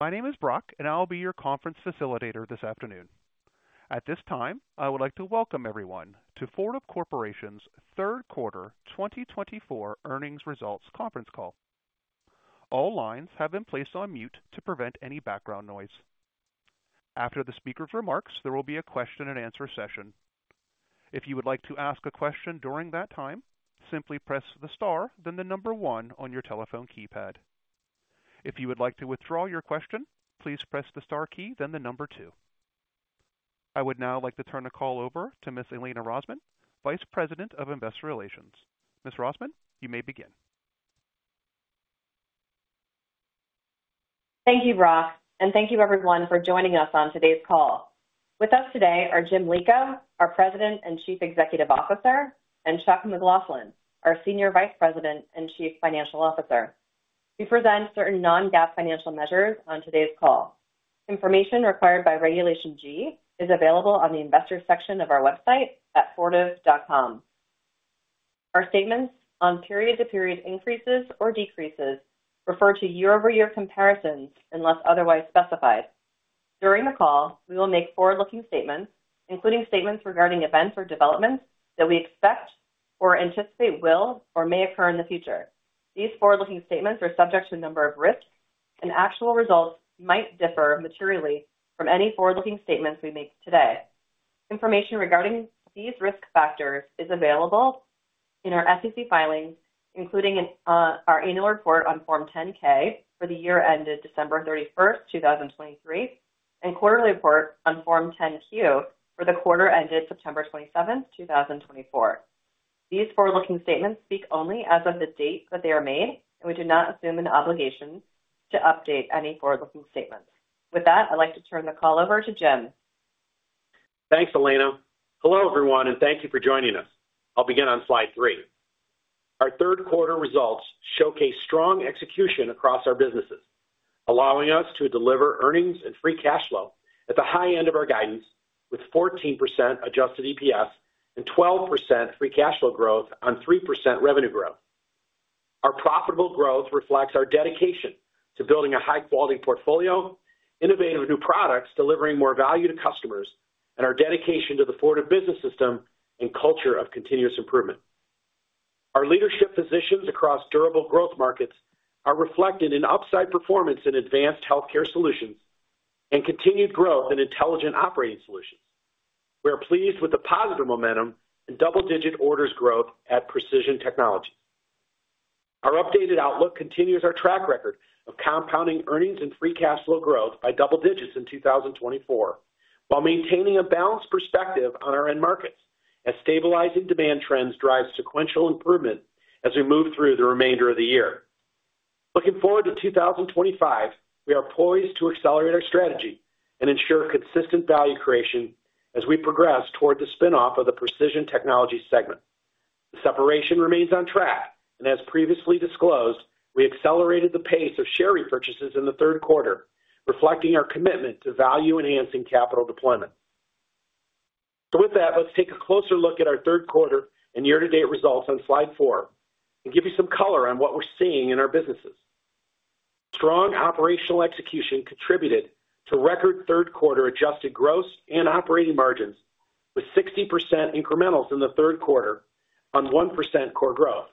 My name is Brock, and I'll be your conference facilitator this afternoon. At this time, I would like to welcome everyone to Fortive Corporation's Third Quarter 2024 earnings results conference call. All lines have been placed on mute to prevent any background noise. After the speaker's remarks, there will be a question-and-answer session. If you would like to ask a question during that time, simply press the star, then the number one on your telephone keypad. If you would like to withdraw your question, please press the star key, then the number two. I would now like to turn the call over to Ms. Elena Rosman, Vice President of Investor Relations. Ms. Rosman, you may begin. Thank you, Brock, and thank you, everyone, for joining us on today's call. With us today are Jim Lico, our President and Chief Executive Officer, and Chuck McLaughlin, our Senior Vice President and Chief Financial Officer. We present certain Non-GAAP financial measures on today's call. Information required by Regulation G is available on the Investor section of our website at fortive.com. Our statements on period-to-period increases or decreases refer to year-over-year comparisons unless otherwise specified. During the call, we will make forward-looking statements, including statements regarding events or developments that we expect or anticipate will or may occur in the future. These forward-looking statements are subject to a number of risks, and actual results might differ materially from any forward-looking statements we make today. Information regarding these risk factors is available in our SEC filings, including our annual report on Form 10-K for the year ended December 31st, 2023, and quarterly report on Form 10-Q for the quarter ended September 27th, 2024. These forward-looking statements speak only as of the date that they are made, and we do not assume an obligation to update any forward-looking statements. With that, I'd like to turn the call over to James. Thanks, Elena. Hello, everyone, and thank you for joining us. I'll begin on slide three. Our third quarter results showcase strong execution across our businesses, allowing us to deliver earnings and free cash flow at the high end of our guidance, with 14% adjusted EPS and 12% free cash flow growth on 3% revenue growth. Our profitable growth reflects our dedication to building a high-quality portfolio, innovative new products delivering more value to customers, and our dedication to the Fortive Business System and culture of continuous improvement. Our leadership positions across durable growth markets are reflected in upside performance in Advanced Healthcare Solutions and continued growth in Intelligent Operating Solutions. We are pleased with the positive momentum and double-digit orders growth at Precision Technologies. Our updated outlook continues our track record of compounding earnings and free cash flow growth by double digits in 2024 while maintaining a balanced perspective on our end markets as stabilizing demand trends drive sequential improvement as we move through the remainder of the year. Looking forward to 2025, we are poised to accelerate our strategy and ensure consistent value creation as we progress toward the spinoff of the Precision Technologies segment. The separation remains on track, and as previously disclosed, we accelerated the pace of share repurchases in the third quarter, reflecting our commitment to value-enhancing capital deployment. So with that, let's take a closer look at our third quarter and year-to-date results on slide four and give you some color on what we're seeing in our businesses. Strong operational execution contributed to record third quarter adjusted gross and operating margins with 60% incrementals in the third quarter on 1% core growth.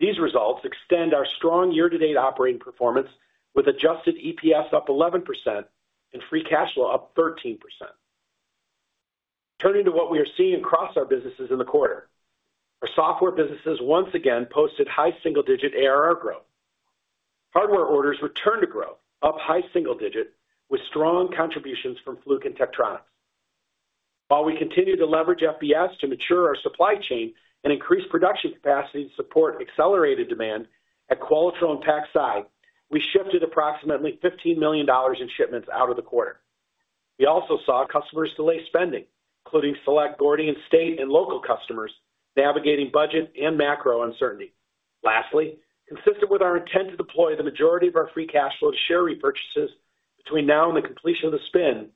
These results extend our strong year-to-date operating performance with adjusted EPS up 11% and free cash flow up 13%. Turning to what we are seeing across our businesses in the quarter, our software businesses once again posted high single-digit ARR growth. Hardware orders returned to growth, up high single digit, with strong contributions from Fluke and Tektronix. While we continue to leverage FBS to mature our supply chain and increase production capacity to support accelerated demand at Qualitrol PacSci, we shifted approximately $15 million in shipments out of the quarter. We also saw customers delay spending, including select Gordian state and local customers navigating budget and macro uncertainty. Lastly, consistent with our intent to deploy the majority of our free cash flow to share repurchases between now and the completion of the spin,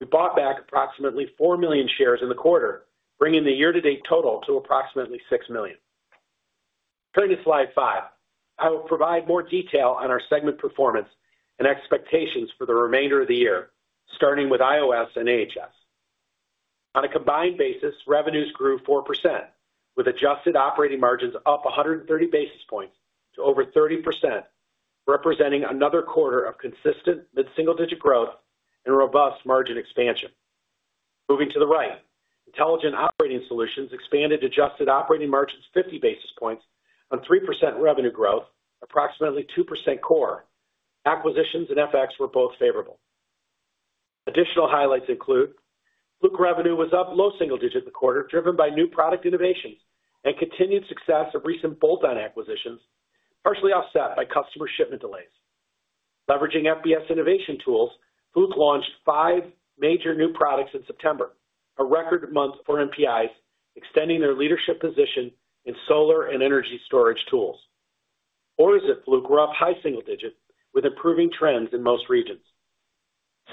we bought back approximately 4 million shares in the quarter, bringing the year-to-date total to approximately 6 million. Turning to slide five, I will provide more detail on our segment performance and expectations for the remainder of the year, starting with IOS and AHS. On a combined basis, revenues grew 4%, with adjusted operating margins up 130 basis points to over 30%, representing another quarter of consistent mid-single-digit growth and robust margin expansion. Moving to the right, intelligent operating solutions expanded adjusted operating margins 50 basis points on 3% revenue growth, approximately 2% core. Acquisitions and FX were both favorable. Additional highlights include Fluke revenue was up low single digit in the quarter, driven by new product innovations and continued success of recent bolt-on acquisitions, partially offset by customer shipment delays. Leveraging FBS innovation tools, Fluke launched five major new products in September, a record month for NPIs, extending their leadership position in solar and energy storage tools. Orders at Fluke were up high single digit, with improving trends in most regions.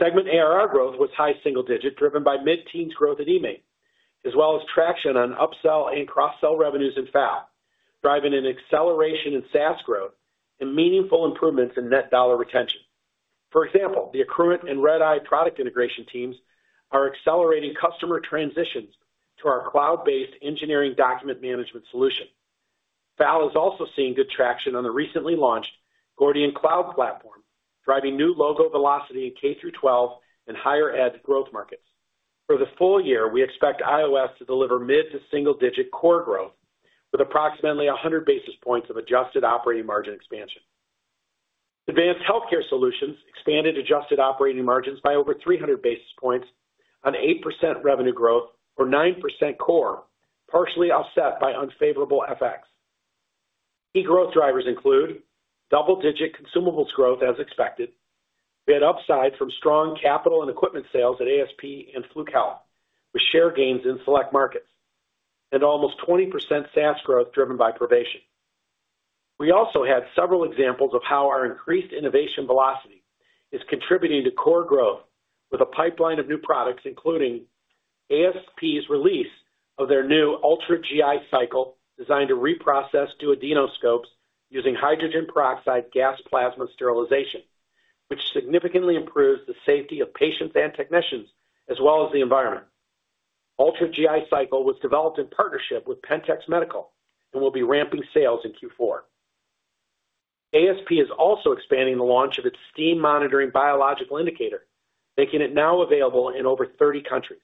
Segment ARR growth was high single digit, driven by mid-teens growth at eMaint, as well as traction on upsell and cross-sell revenues in FAL, driving an acceleration in SaaS growth and meaningful improvements in net dollar retention. For example, the Accruent and RedEye product integration teams are accelerating customer transitions to our cloud-based engineering document management solution. IOS is also seeing good traction on the recently launched Gordian Cloud Platform, driving new logo velocity in K through 12 and higher ed growth markets. For the full year, we expect IOS to deliver mid-to-single-digit core growth with approximately 100 basis points of adjusted operating margin expansion. Advanced Healthcare Solutions expanded adjusted operating margins by over 300 basis points on 8% revenue growth or 9% core, partially offset by unfavorable FX. Key growth drivers include double-digit consumables growth as expected. We had upside from strong capital and equipment sales at ASP and Fluke Health Solutions, with share gains in select markets and almost 20% SaaS growth driven by Provation. We also had several examples of how our increased innovation velocity is contributing to core growth with a pipeline of new products, including ASP's release of their new ULTRA GI Cycle designed to reprocess duodenoscopes using hydrogen peroxide gas plasma sterilization, which significantly improves the safety of patients and technicians as well as the environment. ULTRA GI Cycle was developed in partnership with Pentax Medical and will be ramping sales in Q4. ASP is also expanding the launch of its Steam monitoring biological indicator, making it now available in over 30 countries.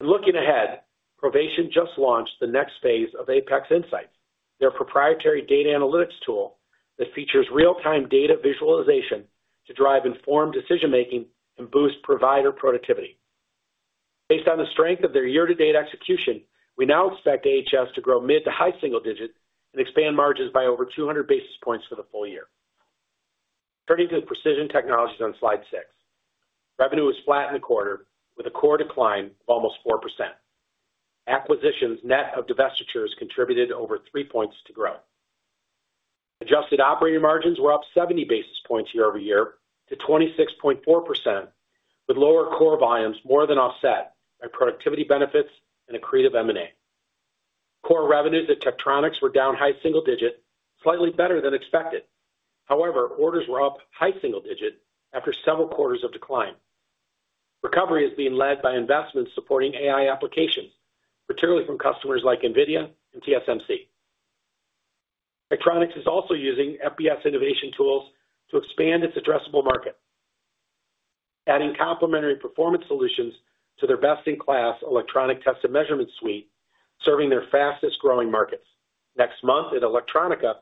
Looking ahead, Provation just launched the next phase of APEX Insights, their proprietary data analytics tool that features real-time data visualization to drive informed decision-making and boost provider productivity. Based on the strength of their year-to-date execution, we now expect AHS to grow mid-to-high single digit and expand margins by over 200 basis points for the full year. Turning to Precision Technologies on slide six, revenue was flat in the quarter with a core decline of almost 4%. Acquisitions net of divestitures contributed over 3 points to growth. Adjusted operating margins were up 70 basis points year-over-year to 26.4%, with lower core volumes more than offset by productivity benefits and accretive M&A. Core revenues at Tektronix were down high single digit, slightly better than expected. However, orders were up high single digit after several quarters of decline. Recovery is being led by investments supporting AI applications, particularly from customers like NVIDIA and TSMC. Tektronix is also using FBS innovation tools to expand its addressable market, adding complementary performance solutions to their best-in-class electronic test and measurement suite, serving their fastest-growing markets. Next month at Electronica,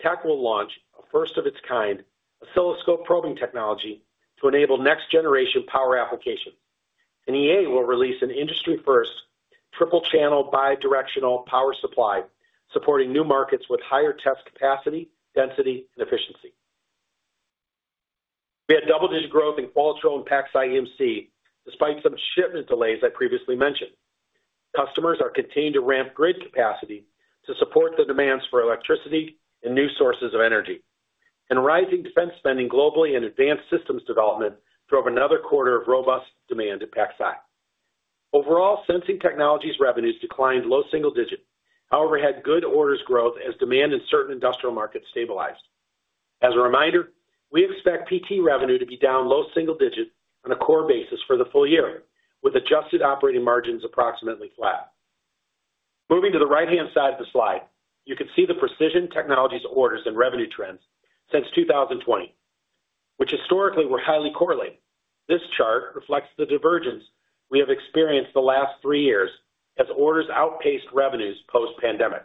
Tek will launch a first-of-its-kind oscilloscope probing technology to enable next-generation power applications. EA will release an industry-first triple-channel bidirectional power supply supporting new markets with higher test capacity, density, and efficiency. We had double-digit growth in Qualitrol PacSci EMC despite some shipment delays I previously mentioned. Customers are continuing to ramp grid capacity to support the demands for electricity and new sources of energy. Rising defense spending globally and advanced systems development drove another quarter of robust demand at PacSci. Overall, Sensing Technologies revenues declined low single digit, however had good orders growth as demand in certain industrial markets stabilized. As a reminder, we expect PT revenue to be down low single digit on a core basis for the full year, with adjusted operating margins approximately flat. Moving to the right-hand side of the slide, you can see the Precision Technologies orders and revenue trends since 2020, which historically were highly correlated. This chart reflects the divergence we have experienced the last three years as orders outpaced revenues post-pandemic.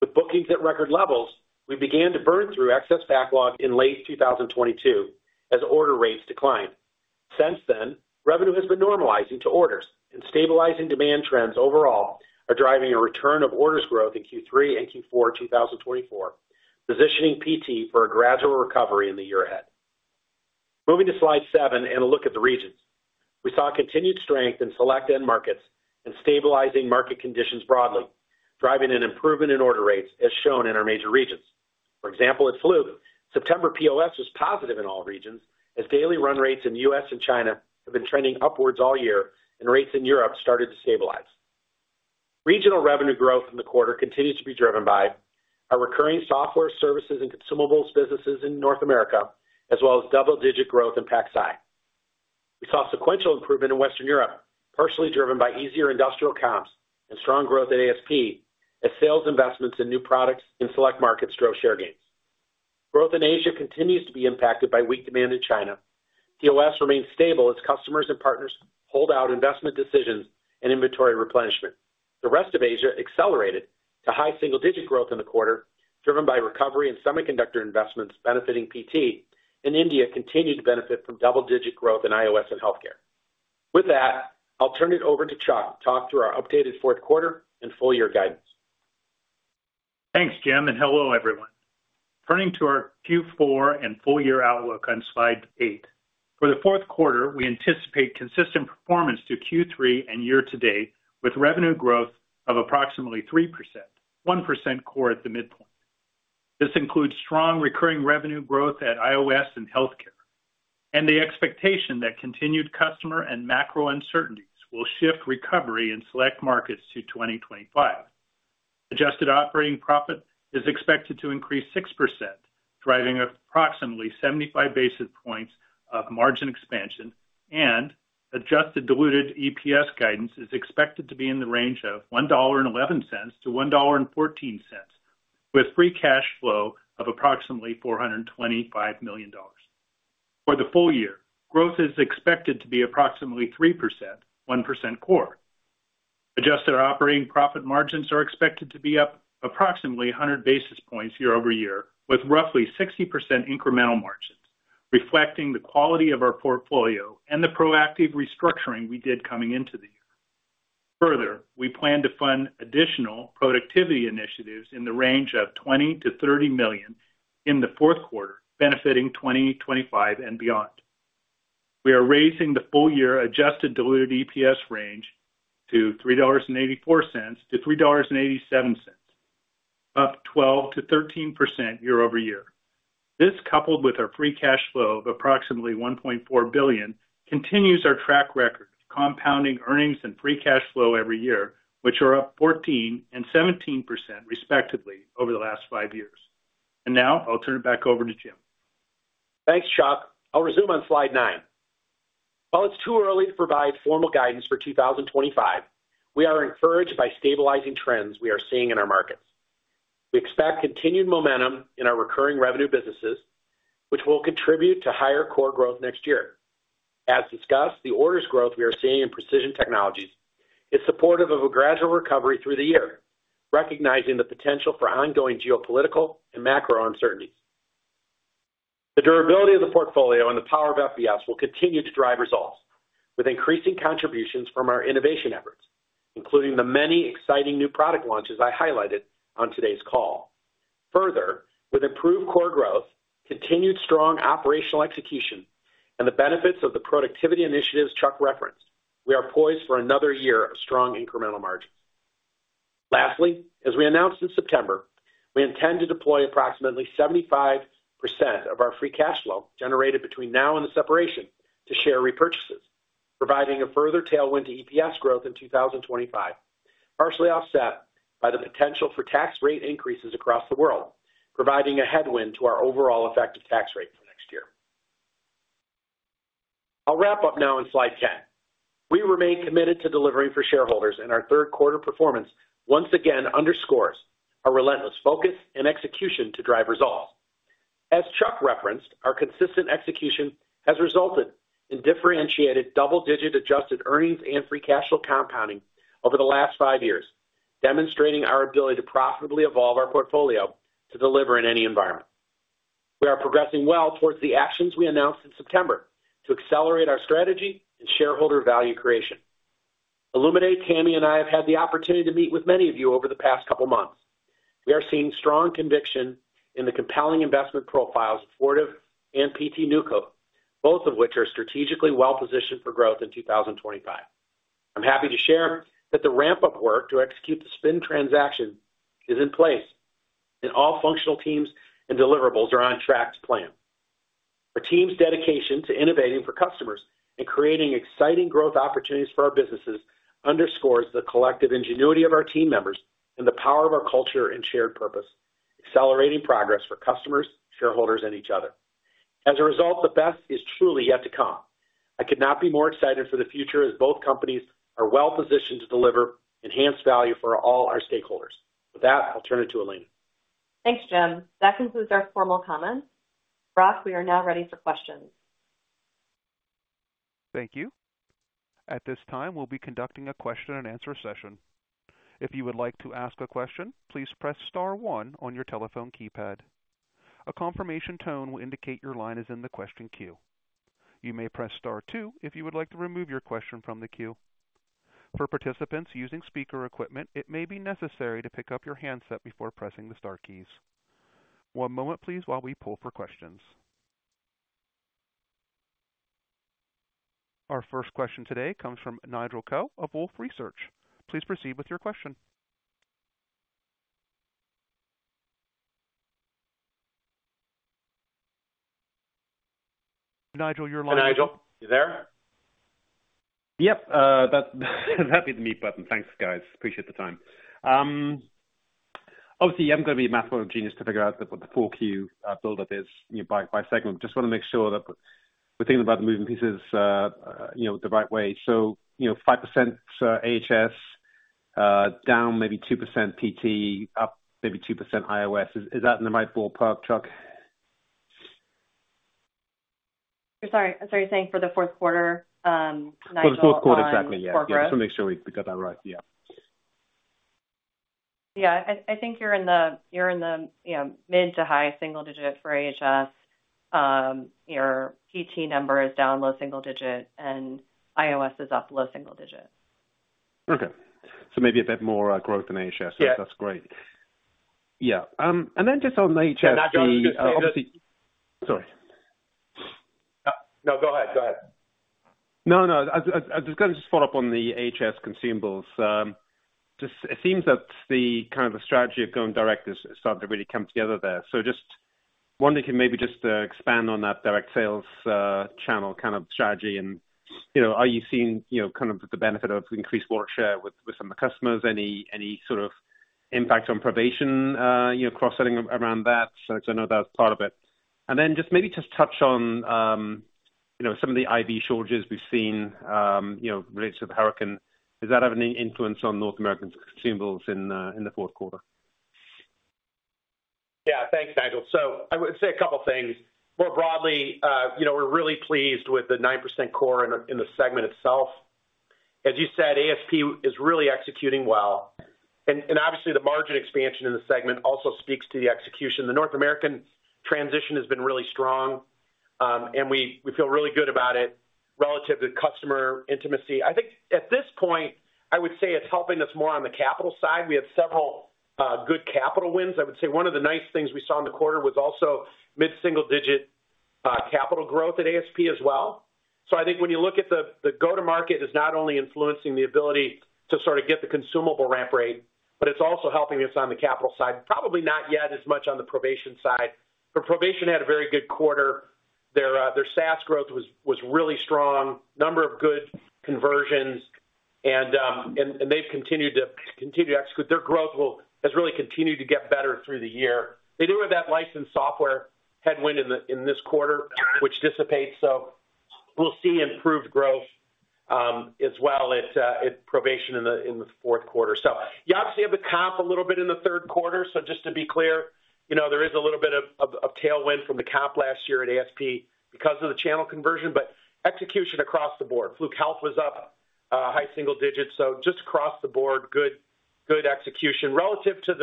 With bookings at record levels, we began to burn through excess backlog in late 2022 as order rates declined. Since then, revenue has been normalizing to orders, and stabilizing demand trends overall are driving a return of orders growth in Q3 and Q4 2024, positioning PT for a gradual recovery in the year ahead. Moving to slide seven and a look at the regions. We saw continued strength in select end markets and stabilizing market conditions broadly, driving an improvement in order rates as shown in our major regions. For example, at Fluke, September POS was positive in all regions as daily run rates in the US and China have been trending upwards all year, and rates in Europe started to stabilize. Regional revenue growth in the quarter continues to be driven by our recurring software services and consumables businesses in North America, as well as double-digit growth in PacSci. We saw sequential improvement in Western Europe, partially driven by easier industrial comps and strong growth at ASP as sales investments in new products in select markets drove share gains. Growth in Asia continues to be impacted by weak demand in China. POS remains stable as customers and partners hold out investment decisions and inventory replenishment. The rest of Asia accelerated to high single-digit growth in the quarter, driven by recovery in semiconductor investments benefiting PT, and India continued to benefit from double-digit growth in IOS and healthcare. With that, I'll turn it over to Charles to talk through our updated fourth quarter and full-year guidance. Thanks, Jim, and hello, everyone. Turning to our Q4 and full-year outlook on slide eight. For the fourth quarter, we anticipate consistent performance to Q3 and year-to-date with revenue growth of approximately 3%, 1% core at the midpoint. This includes strong recurring revenue growth at IOS and healthcare, and the expectation that continued customer and macro uncertainties will shift recovery in select markets to 2025. Adjusted operating profit is expected to increase 6%, driving approximately 75 basis points of margin expansion, and adjusted diluted EPS guidance is expected to be in the range of $1.11-$1.14, with free cash flow of approximately $425 million. For the full year, growth is expected to be approximately 3%, 1% core. Adjusted operating profit margins are expected to be up approximately 100 basis points year-over-year, with roughly 60% incremental margins, reflecting the quality of our portfolio and the proactive restructuring we did coming into the year. Further, we plan to fund additional productivity initiatives in the range of $20-$30 million in the fourth quarter, benefiting 2025 and beyond. We are raising the full-year adjusted diluted EPS range to $3.84-$3.87, up 12%-13% year-over-year. This, coupled with our free cash flow of approximately $1.4 billion, continues our track record of compounding earnings and free cash flow every year, which are up 14% and 17% respectively over the last five years. And now I'll turn it back over to Jim. Thanks, Chuck. I'll resume on slide nine. While it's too early to provide formal guidance for 2025, we are encouraged by stabilizing trends we are seeing in our markets. We expect continued momentum in our recurring revenue businesses, which will contribute to higher core growth next year. As discussed, the orders growth we are seeing in Precision Technologies is supportive of a gradual recovery through the year, recognizing the potential for ongoing geopolitical and macro uncertainties. The durability of the portfolio and the power of FBS will continue to drive results, with increasing contributions from our innovation efforts, including the many exciting new product launches I highlighted on today's call. Further, with improved core growth, continued strong operational execution, and the benefits of the productivity initiatives Chuck referenced, we are poised for another year of strong incremental margins. Lastly, as we announced in September, we intend to deploy approximately 75% of our free cash flow generated between now and the separation to share repurchases, providing a further tailwind to EPS growth in 2025, partially offset by the potential for tax rate increases across the world, providing a headwind to our overall effective tax rate for next year. I'll wrap up now on slide 10. We remain committed to delivering for shareholders, and our third quarter performance once again underscores our relentless focus and execution to drive results. As Chuck referenced, our consistent execution has resulted in differentiated double-digit adjusted earnings and free cash flow compounding over the last five years, demonstrating our ability to profitably evolve our portfolio to deliver in any environment. We are progressing well towards the actions we announced in September to accelerate our strategy and shareholder value creation. Elena, Tami, and I have had the opportunity to meet with many of you over the past couple of months. We are seeing strong conviction in the compelling investment profiles of Fortive and PT Newco, both of which are strategically well-positioned for growth in 2025. I'm happy to share that the ramp-up work to execute the spin transaction is in place, and all functional teams and deliverables are on track to plan. Our team's dedication to innovating for customers and creating exciting growth opportunities for our businesses underscores the collective ingenuity of our team members and the power of our culture and shared purpose, accelerating progress for customers, shareholders, and each other. As a result, the best is truly yet to come. I could not be more excited for the future as both companies are well-positioned to deliver enhanced value for all our stakeholders. With that, I'll turn it to Elena. Thanks, Jim. That concludes our formal comments. Brock, we are now ready for questions. Thank you. At this time, we'll be conducting a question-and-answer session. If you would like to ask a question, please press star one on your telephone keypad. A confirmation tone will indicate your line is in the question queue. You may press star two if you would like to remove your question from the queue. For participants using speaker equipment, it may be necessary to pick up your handset before pressing the Star keys. One moment, please, while we pull for questions. Our first question today comes from Nigel Coe of Wolfe Research. Please proceed with your question. Nigel, you're live. Hi, Nigel. You there? Yep. That's the mute button. Thanks, guys. Appreciate the time. Obviously, I'm going to be a mathematical genius to figure out what the 4Q build-up is by segment. Just want to make sure that we're thinking about the moving pieces the right way. So 5% AHS, down maybe 2% PT, up maybe 2% IOS. Is that in the right ballpark, Chuck? Sorry. I'm sorry. You're saying for the fourth quarter, Nigel? For the fourth quarter, exactly. Yeah. Just want to make sure we got that right. Yeah. Yeah. I think you're in the mid to high single digit for AHS. Your PT number is down low single digit, and IOS is up low single digit. Okay, so maybe a bit more growth in AHS. That's great. Yeah, and then just on the AHS, the obviously. No, go ahead. Go ahead. No, no. I was just going to just follow up on the AHS consumables. It seems that the kind of the strategy of going direct has started to really come together there. So just wondering if you can maybe just expand on that direct sales channel kind of strategy. And are you seeing kind of the benefit of increased market share with some of the customers? Any sort of impact on Provation, cross-selling around that? So I know that's part of it. And then just maybe just touch on some of the IV shortages we've seen related to the hurricane. Is that having any influence on North American consumables in the fourth quarter? Yeah. Thanks, Nigel. So I would say a couple of things. More broadly, we're really pleased with the 9% core in the segment itself. As you said, ASP is really executing well. And obviously, the margin expansion in the segment also speaks to the execution. The North American transition has been really strong, and we feel really good about it relative to customer intimacy. I think at this point, I would say it's helping us more on the capital side. We have several good capital wins. I would say one of the nice things we saw in the quarter was also mid-single-digit capital growth at ASP as well. So I think when you look at the go-to-market, it's not only influencing the ability to sort of get the consumable ramp rate, but it's also helping us on the capital side. Probably not yet as much on the Provation side. For Provation, they had a very good quarter. Their SaaS growth was really strong, a number of good conversions, and they've continued to execute. Their growth has really continued to get better through the year. They do have that licensed software headwind in this quarter, which dissipates, so we'll see improved growth as well at Provation in the fourth quarter, so you obviously have the comp a little bit in the third quarter. So just to be clear, there is a little bit of tailwind from the comp last year at ASP because of the channel conversion, but execution across the board. Fluke Health was up high single digits, so just across the board, good execution. Relative to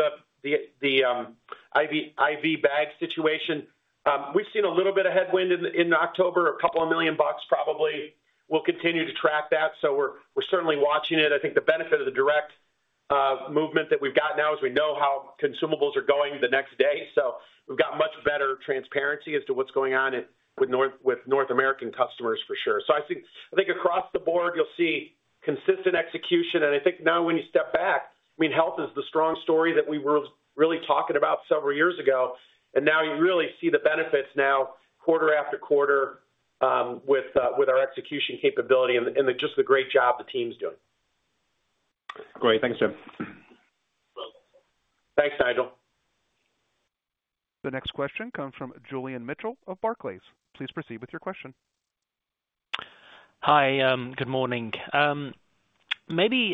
the IV bag situation, we've seen a little bit of headwind in October, $2 million probably. We'll continue to track that, so we're certainly watching it. I think the benefit of the direct movement that we've got now is we know how consumables are going the next day. So we've got much better transparency as to what's going on with North American customers, for sure. So I think across the board, you'll see consistent execution. And I think now when you step back, I mean, health is the strong story that we were really talking about several years ago. And now you really see the benefits now quarter after quarter with our execution capability and just the great job the team's doing. Great. Thanks, Jim. Thanks, Nigel. The next question comes from Julian Mitchell of Barclays. Please proceed with your question. Hi. Good morning. Maybe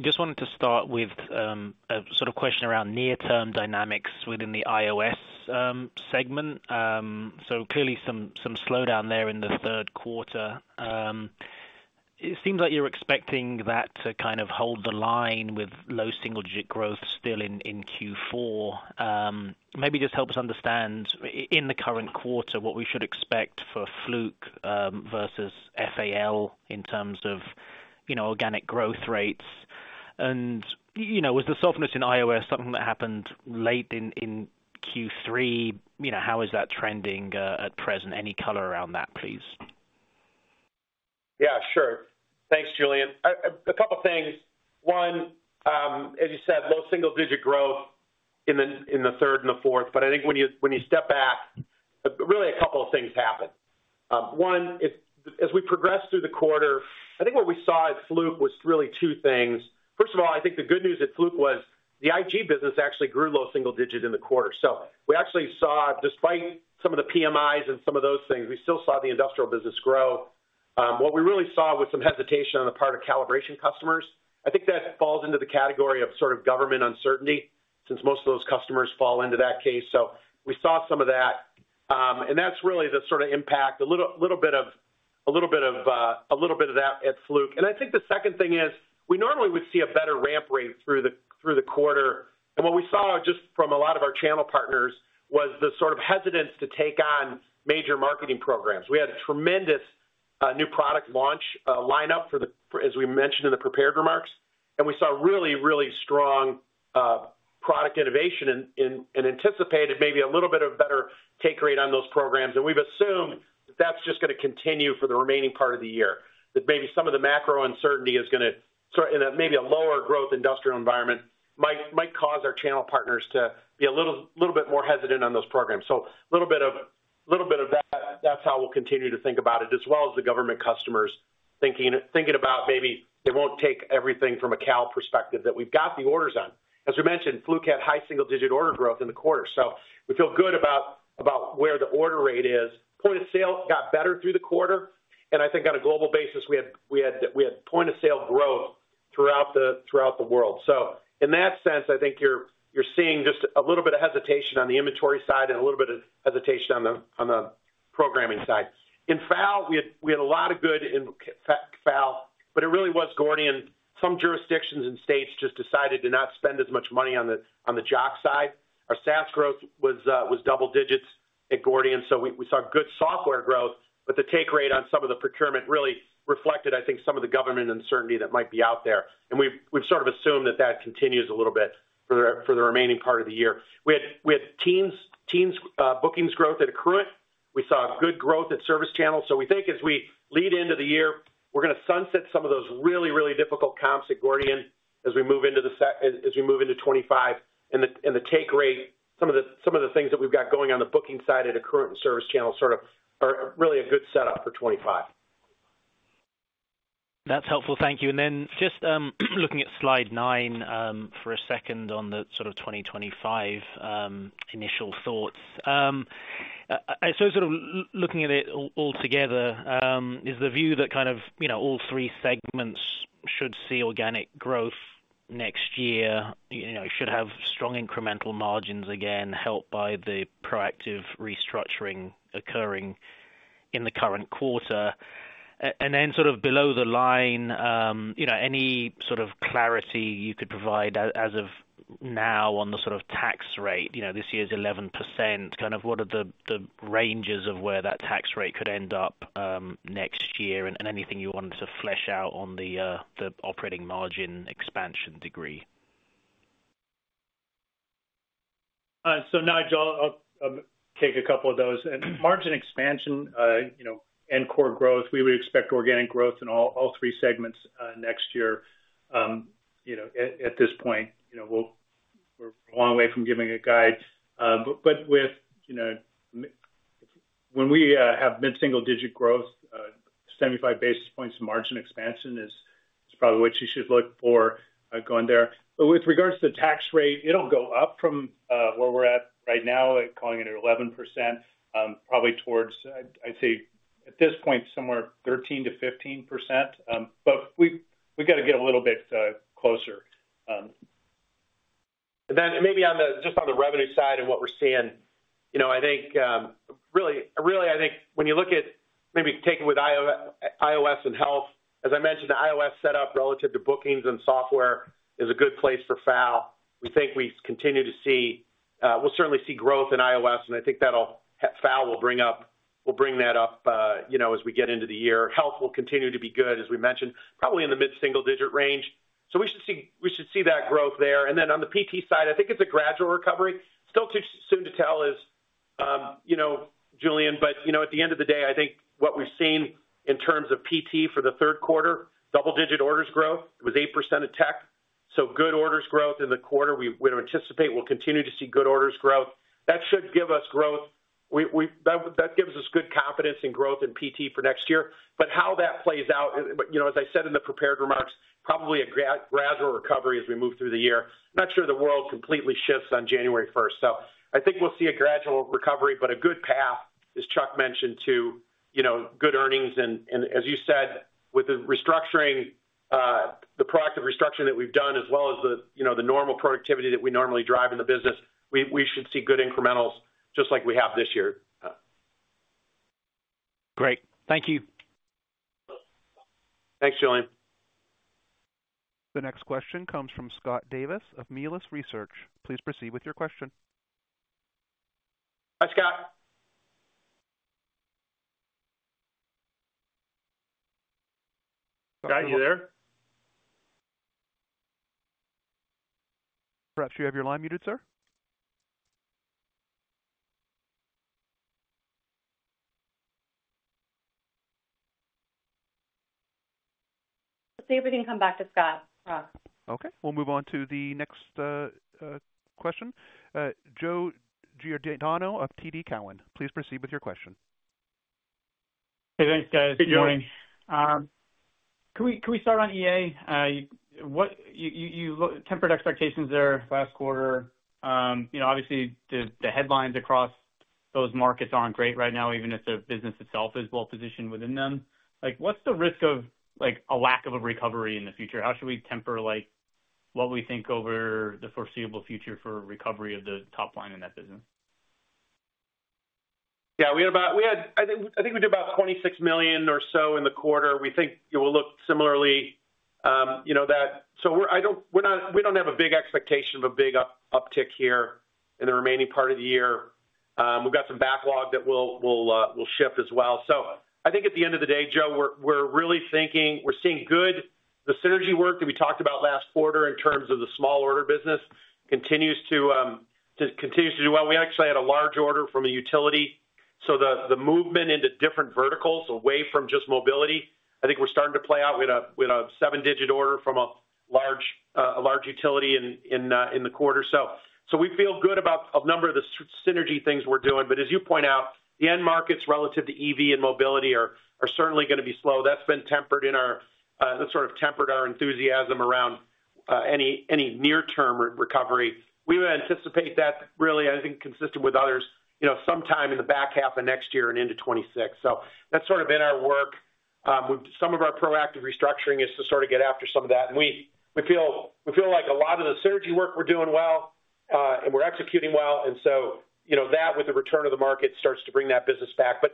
just wanted to start with a sort of question around near-term dynamics within the IOS segment. So clearly some slowdown there in the third quarter. It seems like you're expecting that to kind of hold the line with low single-digit growth still in Q4. Maybe just help us understand in the current quarter what we should expect for Fluke versus EA in terms of organic growth rates. And was the softness in IOS something that happened late in Q3? How is that trending at present? Any color around that, please? Yeah, sure. Thanks, Julian. A couple of things. One, as you said, low single-digit growth in the third and the fourth. But I think when you step back, really a couple of things happen. One, as we progressed through the quarter, I think what we saw at Fluke was really two things. First of all, I think the good news at Fluke was the IG business actually grew low single digit in the quarter. So we actually saw, despite some of the PMIs and some of those things, we still saw the industrial business grow. What we really saw was some hesitation on the part of calibration customers. I think that falls into the category of sort of government uncertainty since most of those customers fall into that case. So we saw some of that. That's really the sort of impact, a little bit of a little bit of a little bit of that at Fluke. I think the second thing is we normally would see a better ramp rate through the quarter. What we saw just from a lot of our channel partners was the sort of hesitance to take on major marketing programs. We had a tremendous new product launch lineup, as we mentioned in the prepared remarks. We saw really, really strong product innovation and anticipated maybe a little bit of better take rate on those programs. We've assumed that that's just going to continue for the remaining part of the year, that maybe some of the macro uncertainty is going to sort of in maybe a lower growth industrial environment might cause our channel partners to be a little bit more hesitant on those programs. So a little bit of that. That's how we'll continue to think about it, as well as the government customers thinking about maybe they won't take everything from a Cal perspective that we've got the orders on. As we mentioned, Fluke had high single-digit order growth in the quarter. So we feel good about where the order rate is. Point of sale got better through the quarter. And I think on a global basis, we had point of sale growth throughout the world. So in that sense, I think you're seeing just a little bit of hesitation on the inventory side and a little bit of hesitation on the programming side. In FAL, we had a lot of good in FAL, but it really was Gordian. Some jurisdictions and states just decided to not spend as much money on the JOC side. Our SaaS growth was double digits at Gordian. We saw good software growth, but the take rate on some of the procurement really reflected, I think, some of the government uncertainty that might be out there. And we've sort of assumed that that continues a little bit for the remaining part of the year. We had teens bookings growth at Accruent. We saw good growth at ServiceChannel. So we think as we lead into the year, we're going to sunset some of those really, really difficult comps at Gordian as we move into 2025. And the take rate, some of the things that we've got going on the booking side at Accruent and ServiceChannel sort of are really a good setup for 2025. That's helpful. Thank you. And then just looking at slide 9 for a second on the sort of 2025 initial thoughts. So sort of looking at it all together, is the view that kind of all three segments should see organic growth next year, should have strong incremental margins again, helped by the proactive restructuring occurring in the current quarter. And then sort of below the line, any sort of clarity you could provide as of now on the sort of tax rate. This year's 11%, kind of what are the ranges of where that tax rate could end up next year? And anything you wanted to flesh out on the operating margin expansion degree? Nigel, I'll take a couple of those. Margin expansion and core growth, we would expect organic growth in all three segments next year. At this point, we're a long way from giving a guide. But when we have mid-single digit growth, 75 basis points of margin expansion is probably what you should look for going there. But with regards to the tax rate, it'll go up from where we're at right now, calling it 11%, probably towards, I'd say, at this point, somewhere 13%-15%. But we've got to get a little bit closer. Then maybe just on the revenue side of what we're seeing, I think really, I think when you look at maybe take it with IOS and health, as I mentioned, the IOS setup relative to bookings and software is a good place for FAL. We think we continue to see we'll certainly see growth in IOS. I think FAL will bring that up as we get into the year. Health will continue to be good, as we mentioned, probably in the mid-single digit range. We should see that growth there. On the PT side, I think it's a gradual recovery. Still too soon to tell, Julian. But at the end of the day, I think what we've seen in terms of PT for the third quarter, double-digit orders growth. It was 8% at Tech. Good orders growth in the quarter. We would anticipate we'll continue to see good orders growth. That should give us growth. That gives us good confidence in growth in PT for next year. But how that plays out, as I said in the prepared remarks, probably a gradual recovery as we move through the year. I'm not sure the world completely shifts on January 1st. So I think we'll see a gradual recovery, but a good path, as Chuck mentioned, to good earnings, and as you said, with the restructuring, the proactive restructuring that we've done, as well as the normal productivity that we normally drive in the business, we should see good incrementals just like we have this year. Great. Thank you. Thanks, Julian. The next question comes from Scott Davis of Melius Research. Please proceed with your question. Hi, Scott. Scott, are you there? Perhaps you have your line muted, sir. Let's see if we can come back to Scott. Okay. We'll move on to the next question. Joe Giordano of TD Cowen. Please proceed with your question. Hey, thanks, guys. Good morning. Can we start on EA? Tempered expectations there last quarter. Obviously, the headlines across those markets aren't great right now, even if the business itself is well positioned within them. What's the risk of a lack of a recovery in the future? How should we temper what we think over the foreseeable future for recovery of the top line in that business? Yeah. I think we did about $26 million or so in the quarter. We think it will look similarly. So we don't have a big expectation of a big uptick here in the remaining part of the year. We've got some backlog that will shift as well. So I think at the end of the day, Joe, we're really thinking we're seeing good. The synergy work that we talked about last quarter in terms of the small order business continues to do well. We actually had a large order from a utility. So the movement into different verticals away from just mobility, I think we're starting to play out. We had a seven-digit order from a large utility in the quarter. So we feel good about a number of the synergy things we're doing. But as you point out, the end markets relative to EV and mobility are certainly going to be slow. That's been tempered. That sort of tempered our enthusiasm around any near-term recovery. We would anticipate that really, I think, consistent with others, sometime in the back half of next year and into 2026. So that's sort of been our work. Some of our proactive restructuring is to sort of get after some of that. And we feel like a lot of the synergy work we're doing well, and we're executing well. And so that, with the return of the market, starts to bring that business back. But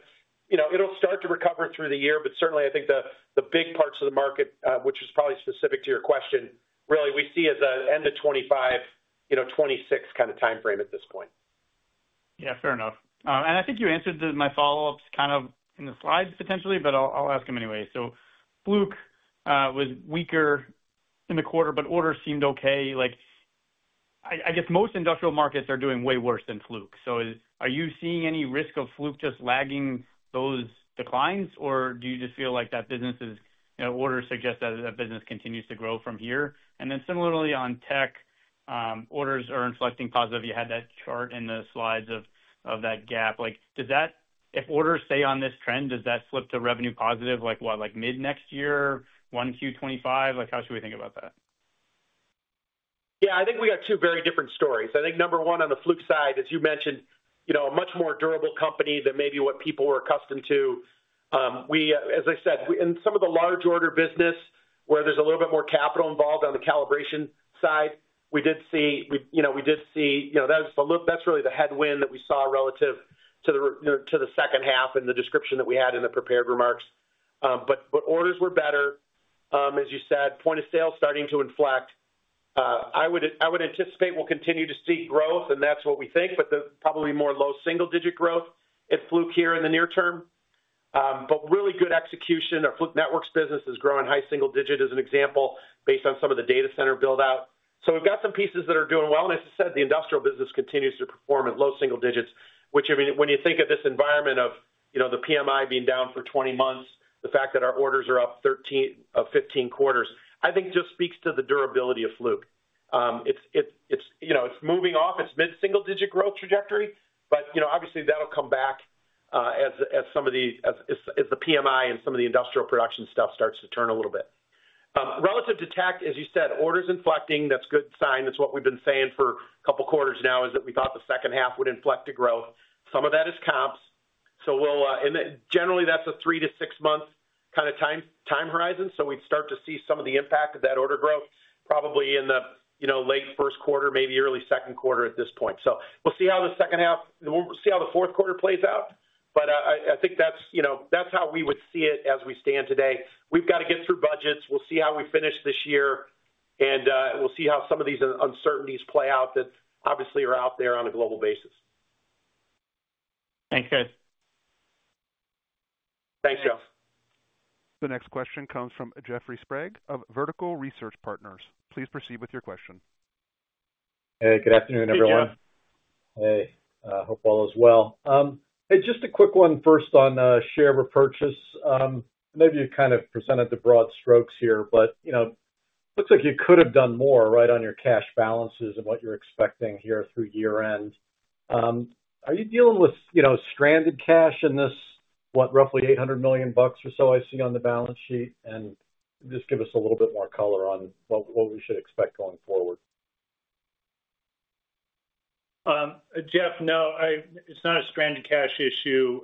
it'll start to recover through the year. But certainly, I think the big parts of the market, which is probably specific to your question, really we see as an end of 2025, 2026 kind of timeframe at this point. Yeah, fair enough, and I think you answered my follow-ups kind of in the slides potentially, but I'll ask them anyway, so Fluke was weaker in the quarter, but orders seemed okay. I guess most industrial markets are doing way worse than Fluke, so are you seeing any risk of Fluke just lagging those declines, or do you just feel like that business's orders suggest that that business continues to grow from here? And then similarly on tech, orders are inflecting positive. You had that chart in the slides of that gap. If orders stay on this trend, does that slip to revenue positive, like mid-next year, 1Q25? How should we think about that? Yeah, I think we got two very different stories. I think number one on the Fluke side, as you mentioned, a much more durable company than maybe what people were accustomed to. As I said, in some of the large order business where there's a little bit more capital involved on the calibration side, we did see that's really the headwind that we saw relative to the second half and the description that we had in the prepared remarks. But orders were better, as you said, point of sale starting to inflect. I would anticipate we'll continue to see growth, and that's what we think, but probably more low single-digit growth at Fluke here in the near term. But really good execution. Our Fluke Networks business is growing high single digit as an example based on some of the data center build-out. So we've got some pieces that are doing well. And as I said, the industrial business continues to perform at low single digits, which, I mean, when you think of this environment of the PMI being down for 20 months, the fact that our orders are up 15 quarters, I think just speaks to the durability of Fluke. It's moving off its mid-single digit growth trajectory, but obviously that'll come back as the PMI and some of the industrial production stuff starts to turn a little bit. Relative to tech, as you said, orders inflecting, that's a good sign. That's what we've been saying for a couple of quarters now, is that we thought the second half would inflect to growth. Some of that is comps. So generally, that's a three- to six-month kind of time horizon. So we'd start to see some of the impact of that order growth probably in the late first quarter, maybe early second quarter at this point. So we'll see how the second half, we'll see how the fourth quarter plays out. But I think that's how we would see it as we stand today. We've got to get through budgets. We'll see how we finish this year, and we'll see how some of these uncertainties play out that obviously are out there on a global basis. Thanks, guys. Thanks, guys. The next question comes from Jeffrey Sprague of Vertical Research Partners. Please proceed with your question. Hey, good afternoon, everyone. Hey, Jeff. Hey. I hope all is well. Hey, just a quick one first on share repurchase. I know you kind of presented the broad strokes here, but it looks like you could have done more right on your cash balances and what you're expecting here through year-end. Are you dealing with stranded cash in this, what, roughly $800 million or so I see on the balance sheet? And just give us a little bit more color on what we should expect going forward? Jeff, no. It's not a stranded cash issue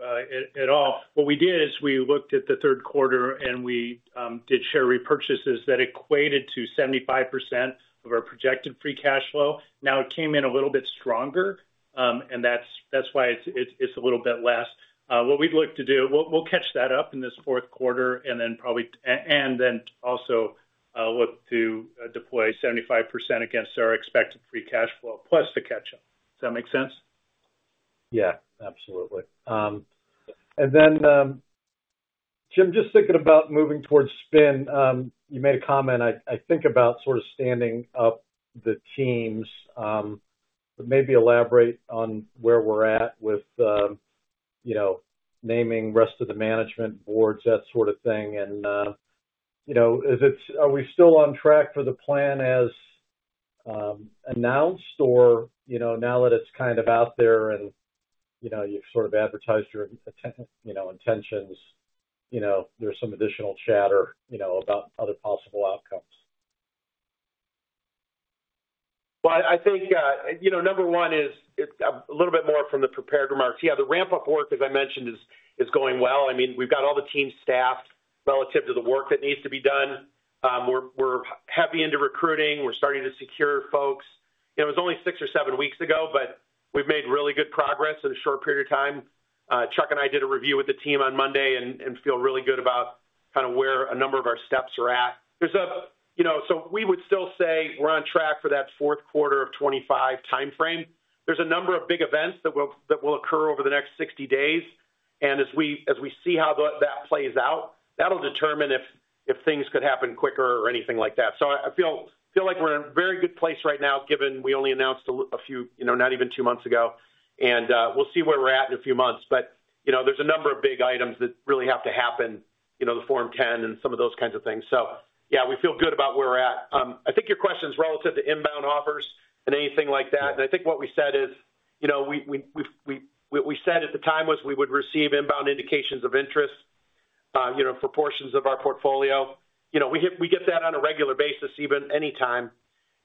at all. What we did is we looked at the third quarter, and we did share repurchases that equated to 75% of our projected free cash flow. Now it came in a little bit stronger, and that's why it's a little bit less. What we'd look to do, we'll catch that up in this fourth quarter and then also look to deploy 75% against our expected free cash flow plus the catch-up. Does that make sense? Yeah, absolutely. And then, Jim, just thinking about moving towards spin, you made a comment, I think, about sort of standing up the teams. But maybe elaborate on where we're at with naming the rest of the management boards, that sort of thing. And are we still on track for the plan as announced, or now that it's kind of out there and you've sort of advertised your intentions, there's some additional chatter about other possible outcomes? I think number one is a little bit more from the prepared remarks. Yeah, the ramp-up work, as I mentioned, is going well. I mean, we've got all the teams staffed relative to the work that needs to be done. We're heavy into recruiting. We're starting to secure folks. It was only six or seven weeks ago, but we've made really good progress in a short period of time. Chuck and I did a review with the team on Monday and feel really good about kind of where a number of our steps are at. So we would still say we're on track for that fourth quarter of 2025 timeframe. There's a number of big events that will occur over the next 60 days, and as we see how that plays out, that'll determine if things could happen quicker or anything like that. So I feel like we're in a very good place right now, given we only announced a few, not even two months ago. And we'll see where we're at in a few months. But there's a number of big items that really have to happen, the Form 10 and some of those kinds of things. So yeah, we feel good about where we're at. I think your question is relative to inbound offers and anything like that. And I think what we said is what we said at the time was we would receive inbound indications of interest for portions of our portfolio. We get that on a regular basis, even anytime.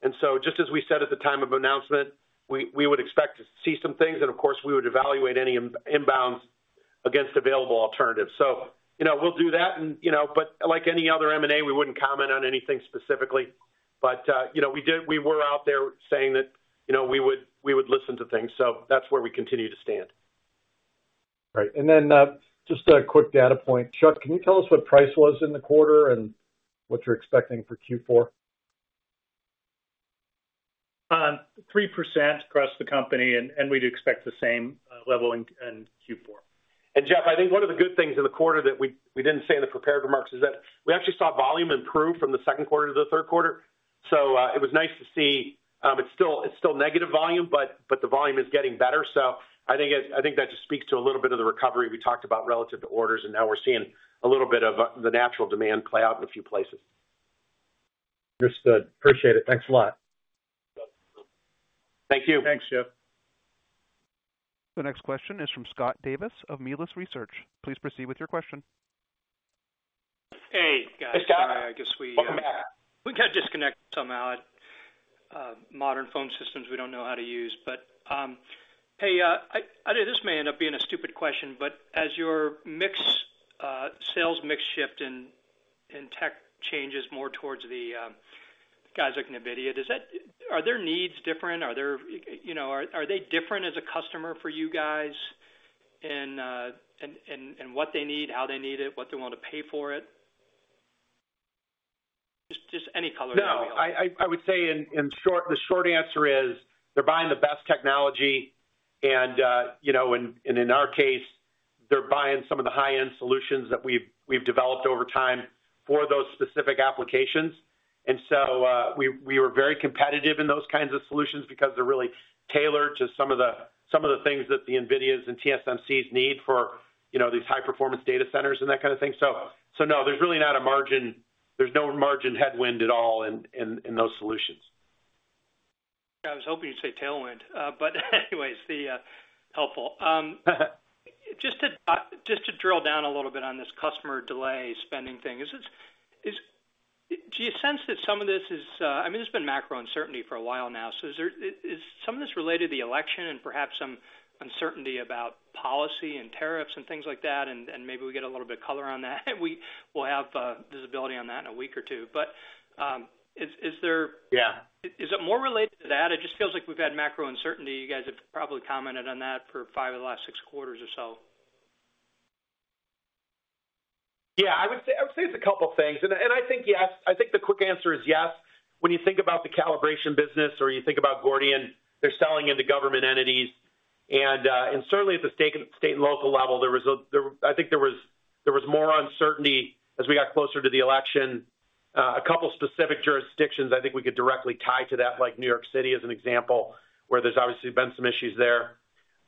And so just as we said at the time of announcement, we would expect to see some things. And of course, we would evaluate any inbounds against available alternatives. So we'll do that. But like any other M&A, we wouldn't comment on anything specifically. But we were out there saying that we would listen to things. So that's where we continue to stand. Right. And then just a quick data point. Chuck, can you tell us what price was in the quarter and what you're expecting for Q4? 3% across the company, and we'd expect the same level in Q4. And Jeff, I think one of the good things in the quarter that we didn't say in the prepared remarks is that we actually saw volume improve from the second quarter to the third quarter. So it was nice to see it's still negative volume, but the volume is getting better. So I think that just speaks to a little bit of the recovery we talked about relative to orders. And now we're seeing a little bit of the natural demand play out in a few places. Understood. Appreciate it. Thanks a lot. Thank you. Thanks, Jeff. The next question is from Scott Davis of Melius Research. Please proceed with your question. Hey, guys. Hey, Scott. Sorry, I guess we. Welcome back. We got disconnected somehow. At modern phone systems we don't know how to use. But hey, this may end up being a stupid question, but as your sales mix shift and tech changes more towards the guys like NVIDIA, are their needs different? Are they different as a customer for you guys in what they need, how they need it, what they want to pay for it? Just any color can be helpful. No, I would say in short, the short answer is they're buying the best technology. And in our case, they're buying some of the high-end solutions that we've developed over time for those specific applications. And so we were very competitive in those kinds of solutions because they're really tailored to some of the things that the NVIDIA's and TSMC's need for these high-performance data centers and that kind of thing. So no, there's really not a margin. There's no margin headwind at all in those solutions. I was hoping you'd say tailwind. But anyways, helpful. Just to drill down a little bit on this customer delay spending thing, do you sense that some of this is—I mean, there's been macro uncertainty for a while now. So is some of this related to the election and perhaps some uncertainty about policy and tariffs and things like that? And maybe we get a little bit of color on that. We'll have visibility on that in a week or two. But is there— Yeah. Is it more related to that? It just feels like we've had macro uncertainty. You guys have probably commented on that for five of the last six quarters or so. Yeah, I would say it's a couple of things. And I think, yes, I think the quick answer is yes. When you think about the calibration business or you think about Gordian, they're selling into government entities. And certainly, at the state and local level, I think there was more uncertainty as we got closer to the election. A couple of specific jurisdictions, I think we could directly tie to that, like New York City as an example, where there's obviously been some issues there.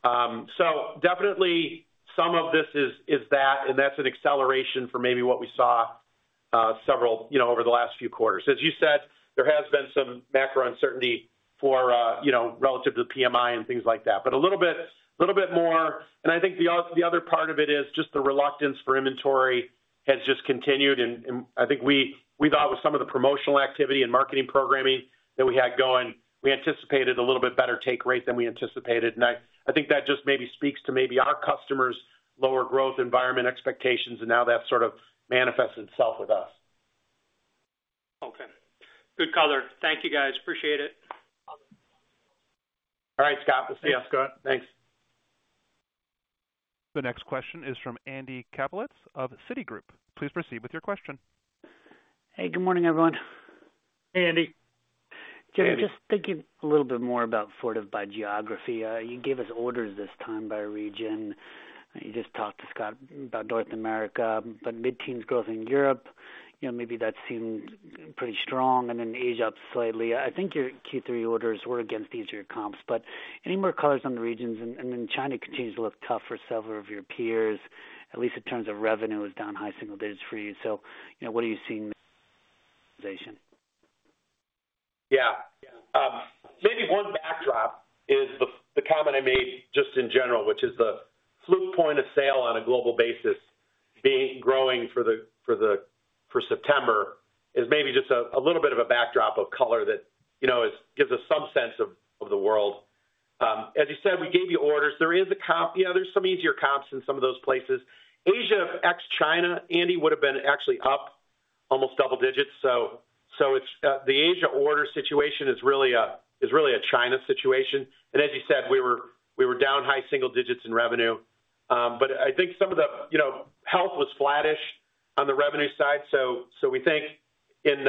So definitely, some of this is that, and that's an acceleration for maybe what we saw several over the last few quarters. As you said, there has been some macro uncertainty relative to the PMI and things like that, but a little bit more. And I think the other part of it is just the reluctance for inventory has just continued. I think we thought with some of the promotional activity and marketing programming that we had going, we anticipated a little bit better take rate than we anticipated. I think that just maybe speaks to maybe our customers' lower growth environment expectations, and now that's sort of manifested itself with us. Okay. Good color. Thank you, guys. Appreciate it. All right, Scott. We'll see you. Thanks, Scott. Thanks. The next question is from Andy Kaplowitz of Citigroup. Please proceed with your question. Hey, good morning, everyone. Hey, Andy. Jim. Just thinking a little bit more about sort of by geography, you gave us orders this time by region. You just talked to Scott about North America, but mid-teens growth in Europe, maybe that seemed pretty strong. And then Asia up slightly. I think your Q3 orders were against each of your comps, but any more colors on the regions? And then China continues to look tough for several of your peers, at least in terms of revenue, is down high single digits for you. So what are you seeing? Yeah. Maybe one backdrop is the comment I made just in general, which is the Fluke point of sale on a global basis growing for September is maybe just a little bit of a backdrop of color that gives us some sense of the world. As you said, we gave you orders. There is a comp. Yeah, there's some easier comps in some of those places. Asia ex-China, Andy would have been actually up almost double digits. So the Asia order situation is really a China situation, and as you said, we were down high single digits in revenue. But I think some of the health was flattish on the revenue side. So we think in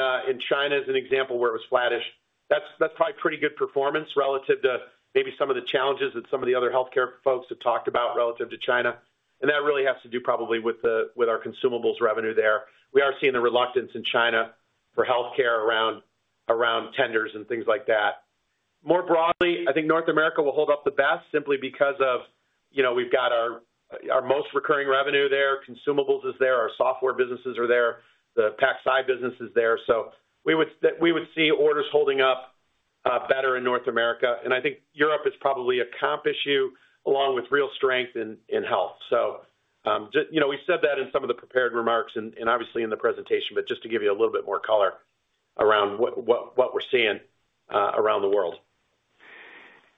China, as an example, where it was flattish, that's probably pretty good performance relative to maybe some of the challenges that some of the other healthcare folks have talked about relative to China. And that really has to do probably with our consumables revenue there. We are seeing the reluctance in China for healthcare around tenders and things like that. More broadly, I think North America will hold up the best simply because we've got our most recurring revenue there. Consumables is there. Our software businesses are there. The PacSci business is there. So we would see orders holding up better in North America. And I think Europe is probably a comp issue along with real strength in health. So we said that in some of the prepared remarks and obviously in the presentation, but just to give you a little bit more color around what we're seeing around the world.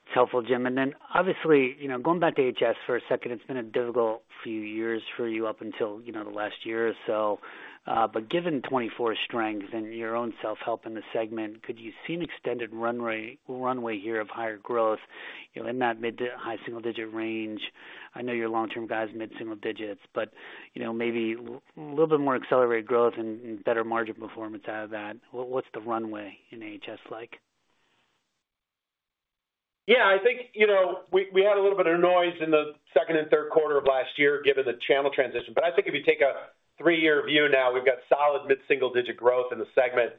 It's helpful, Jim, and then obviously, going back to HS for a second, it's been a difficult few years for you up until the last year or so, but given 2024 strength and your own self-help in the segment, could you see an extended runway here of higher growth in that mid to high single digit range? I know your long-term guys are mid-single digits, but maybe a little bit more accelerated growth and better margin performance out of that. What's the runway in HS like? Yeah, I think we had a little bit of noise in the second and third quarter of last year given the channel transition. But I think if you take a three-year view now, we've got solid mid-single digit growth in the segment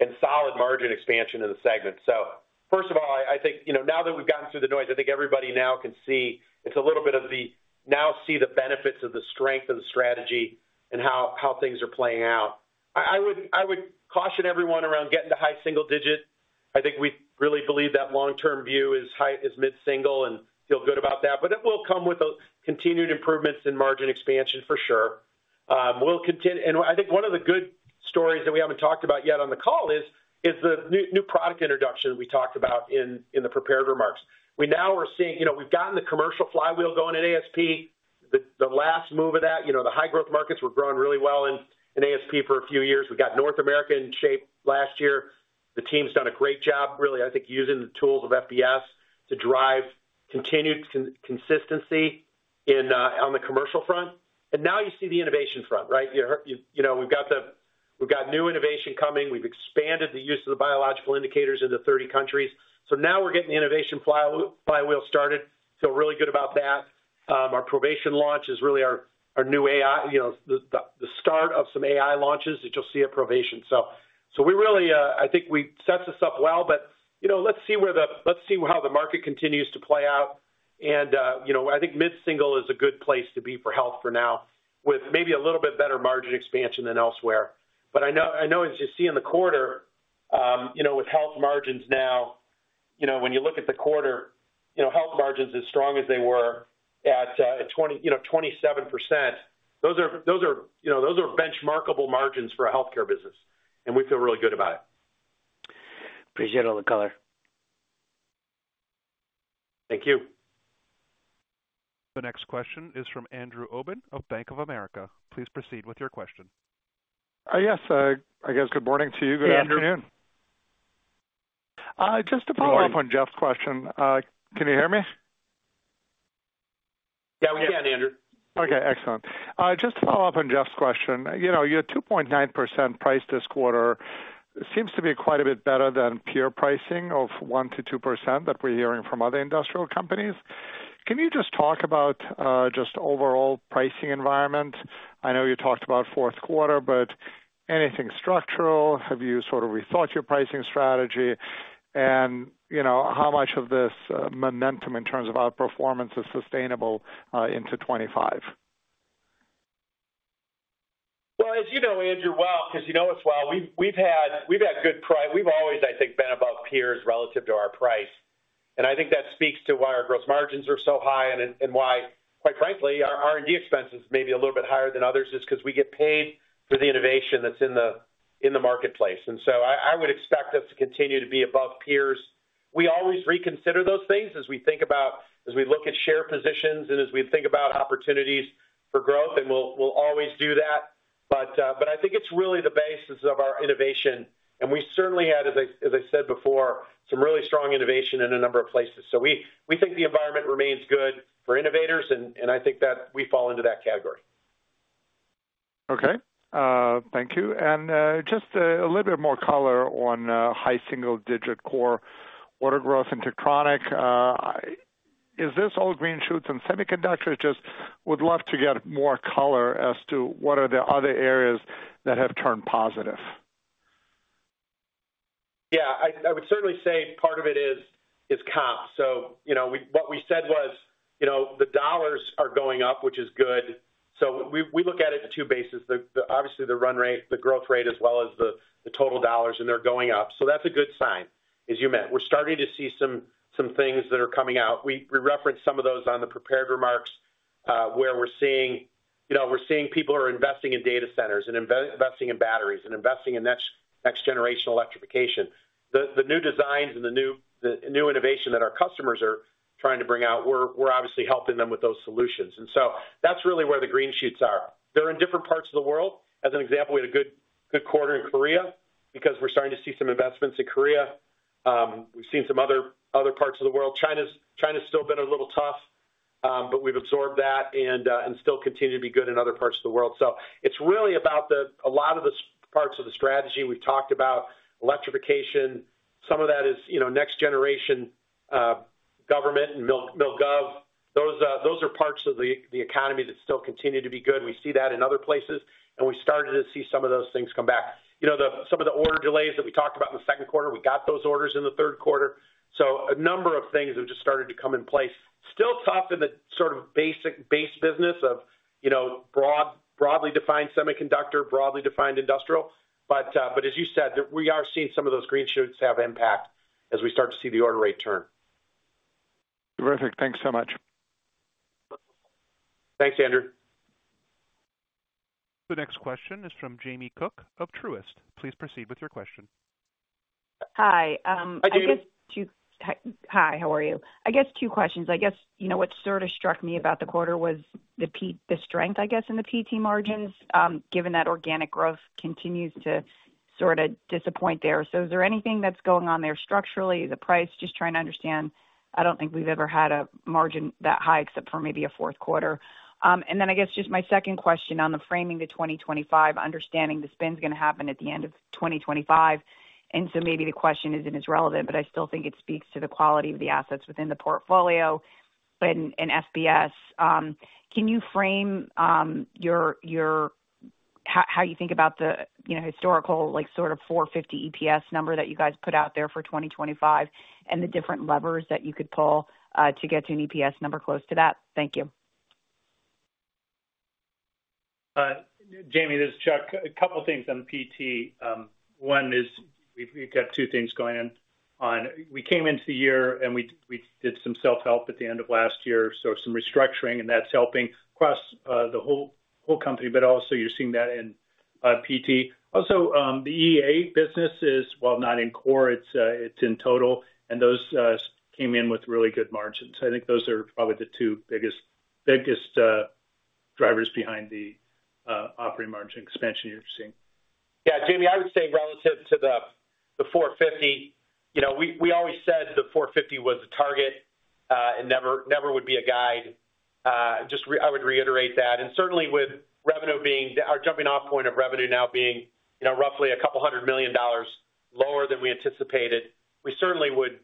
and solid margin expansion in the segment. So first of all, I think now that we've gotten through the noise, I think everybody now can see the benefits of the strength of the strategy and how things are playing out. I would caution everyone around getting to high single digit. I think we really believe that long-term view is mid-single and feel good about that. But it will come with continued improvements in margin expansion for sure. I think one of the good stories that we haven't talked about yet on the call is the new product introduction that we talked about in the prepared remarks. We now are seeing we've gotten the commercial flywheel going in ASP, the last move of that. The high-growth markets were growing really well in ASP for a few years. We got North America in shape last year. The team's done a great job, really, I think, using the tools of FBS to drive continued consistency on the commercial front. And now you see the innovation front, right? We've got new innovation coming. We've expanded the use of the biological indicators into 30 countries. So now we're getting the innovation flywheel started. Feel really good about that. Our Provation launch is really our new AI, the start of some AI launches that you'll see at Provation. So, I think we set this up well, but let's see how the market continues to play out. And I think mid-single is a good place to be for health for now with maybe a little bit better margin expansion than elsewhere. But I know as you see in the quarter with health margins now, when you look at the quarter, health margins as strong as they were at 27%, those are benchmarkable margins for a healthcare business. And we feel really good about it. Appreciate all the color. Thank you. The next question is from Andrew Obin of Bank of America. Please proceed with your question. Yes, I guess. Good morning to you. Good afternoon. Just to follow up on Jeff's question, can you hear me? Yeah, we can, Andrew. Okay, excellent. Just to follow up on Jeff's question, you had 2.9% pricing this quarter. It seems to be quite a bit better than peer pricing of 1%-2% that we're hearing from other industrial companies. Can you talk about overall pricing environment? I know you talked about fourth quarter, but anything structural? Have you sort of rethought your pricing strategy? And how much of this momentum in terms of outperformance is sustainable into 2025? As you know, Andrew, because you know us well, we've had good price. We've always, I think, been above peers relative to our price. And I think that speaks to why our gross margins are so high and why, quite frankly, our R&D expenses may be a little bit higher than others is because we get paid for the innovation that's in the marketplace. And so I would expect us to continue to be above peers. We always reconsider those things as we think about, as we look at share positions and as we think about opportunities for growth, and we'll always do that. But I think it's really the basis of our innovation. And we certainly had, as I said before, some really strong innovation in a number of places. So we think the environment remains good for innovators, and I think that we fall into that category. Okay. Thank you. And just a little bit more color on high single digit core order growth and Tektronix. Is this all green shoots and semiconductors? Just would love to get more color as to what are the other areas that have turned positive? Yeah, I would certainly say part of it is comp. So what we said was the dollars are going up, which is good. So we look at it in two bases. Obviously, the run rate, the growth rate, as well as the total dollars, and they're going up. So that's a good sign, as you mentioned. We're starting to see some things that are coming out. We referenced some of those on the prepared remarks where we're seeing people are investing in data centers and investing in batteries and investing in next generation electrification. The new designs and the new innovation that our customers are trying to bring out, we're obviously helping them with those solutions. And so that's really where the green shoots are. They're in different parts of the world. As an example, we had a good quarter in Korea because we're starting to see some investments in Korea. We've seen some other parts of the world. China's still been a little tough, but we've absorbed that and still continue to be good in other parts of the world. So it's really about a lot of the parts of the strategy we've talked about, electrification. Some of that is next generation government and mil-aero. Those are parts of the economy that still continue to be good. We see that in other places, and we started to see some of those things come back. Some of the order delays that we talked about in the second quarter, we got those orders in the third quarter. So a number of things have just started to come in place. Still tough in the sort of basic base business of broadly defined semiconductor, broadly defined industrial. But as you said, we are seeing some of those green shoots have impact as we start to see the order rate turn. Terrific. Thanks so much. Thanks, Andrew. The next question is from Jamie Cook of Truist. Please proceed with your question. Hi. Hi, Jamie. Hi, how are you? I guess two questions. I guess what sort of struck me about the quarter was the strength, I guess, in the PT margins, given that organic growth continues to sort of disappoint there. So is there anything that's going on there structurally, the price? Just trying to understand. I don't think we've ever had a margin that high except for maybe a fourth quarter. And then I guess just my second question on the framing to 2025, understanding the spin's going to happen at the end of 2025. And so maybe the question isn't as relevant, but I still think it speaks to the quality of the assets within the portfolio and FBS. Can you frame how you think about the historical sort of $4.50 EPS number that you guys put out there for 2025 and the different levers that you could pull to get to an EPS number close to that? Thank you. Jamie, this is Chuck. A couple of things on PT. One is we've got two things going on. We came into the year and we did some self-help at the end of last year, so some restructuring, and that's helping across the whole company, but also you're seeing that in PT. Also, the EA business is, while not in core, it's in total, and those came in with really good margins. I think those are probably the two biggest drivers behind the operating margin expansion you're seeing. Yeah, Jamie, I would say relative to the $4.50, we always said the $4.50 was the target and never would be a guide. I would reiterate that. And certainly with revenue being our jumping-off point of revenue now being roughly a couple hundred million dollars lower than we anticipated, we certainly would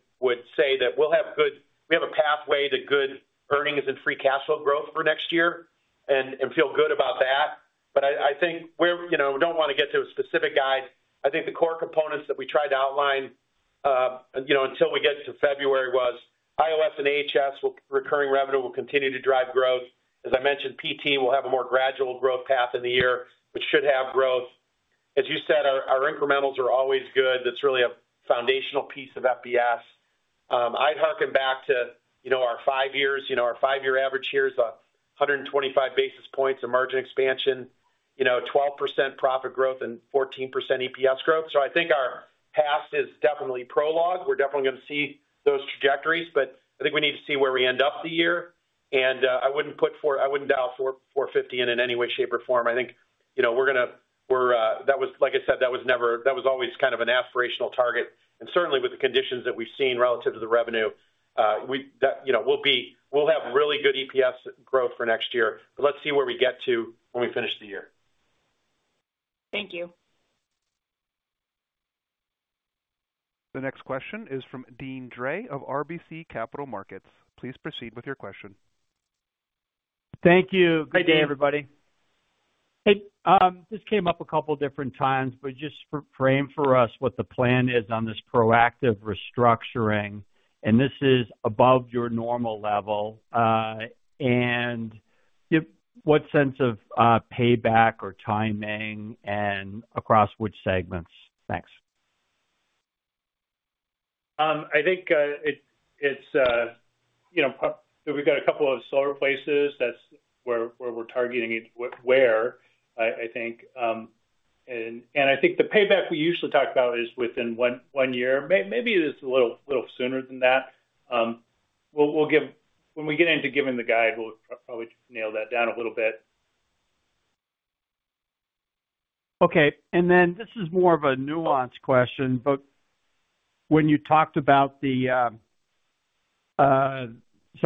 say that we'll have a pathway to good earnings and free cash flow growth for next year and feel good about that. But I think we don't want to get to a specific guide. I think the core components that we tried to outline until we get to February was IOS and HS will recurring revenue will continue to drive growth. As I mentioned, PT will have a more gradual growth path in the year, which should have growth. As you said, our incrementals are always good. That's really a foundational piece of FBS. I'd hearken back to our five years. Our five-year average here is 125 basis points of margin expansion, 12% profit growth, and 14% EPS growth. So, I think our past is definitely prologue. We're definitely going to see those trajectories. But I think we need to see where we end up the year. And I wouldn't dial 450 in any way, shape, or form. I think we're going to. That was, like I said, that was always kind of an aspirational target. And certainly with the conditions that we've seen relative to the revenue, we'll have really good EPS growth for next year. But let's see where we get to when we finish the year. Thank you. The next question is from Deane Dray of RBC Capital Markets. Please proceed with your question. Thank you. Good day, everybody. Hey, this came up a couple different times, but just frame for us what the plan is on this proactive restructuring. And this is above your normal level. And what sense of payback or timing and across which segments? Thanks. I think it's we've got a couple of solar places. That's where we're targeting it, where, I think. And I think the payback we usually talk about is within one year. Maybe it's a little sooner than that. When we get into giving the guide, we'll probably nail that down a little bit. Okay. And then this is more of a nuanced question, but when you talked about some